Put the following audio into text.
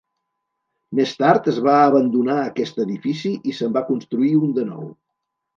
Més tard es va abandonar aquest edifici i se'n va construir un de nou.